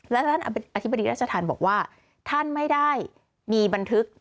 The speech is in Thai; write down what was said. และท่านอธิบดีราชธรรมบอกว่าท่านไม่ได้มีบันทึก